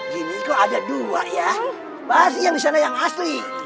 gini kok ada dua ya pasti yang di sana yang asli